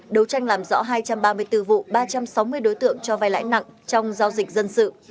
đấu tranh làm rõ hai trăm ba mươi bốn vụ ba trăm sáu mươi đối tượng cho vai lãi nặng trong giao dịch dân sự